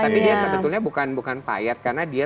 tapi dia sebetulnya bukan payet